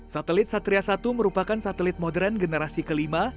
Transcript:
satelit satria satu merupakan satelit modern generasi kelima